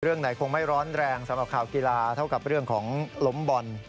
เรื่องไหนคงไม่ร้อนแรงสำหรับข่าวกีฬาเท่ากับเรื่องของล้มบอล